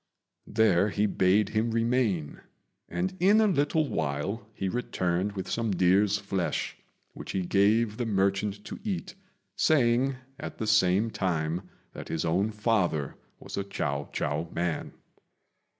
There he bade him remain, and in a little while he returned with some deer's flesh, which he gave the merchant to eat, saying at the same time that his own father was a Chiao chou man.